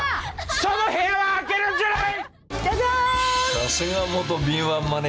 その部屋は開けるんじゃない！